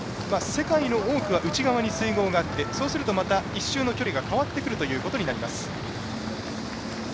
世界の多くは内側に水濠があってそうすると、また１周の距離が変わってくるということになります。